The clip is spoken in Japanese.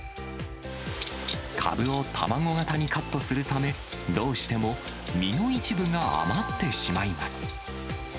かぶを卵形にカットするため、どうしても実の一部が余ってしまいます。